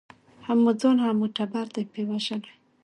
هم مو ځان هم مو ټبر دی په وژلی